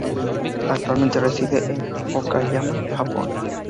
Actualmente reside en Okayama, Japón.